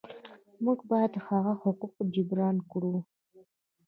موږ باید هغه حقوق جبران کړو.